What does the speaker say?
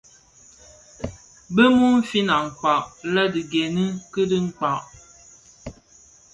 Bë mumfin akpaň lè dhi gènè kè dhikpag.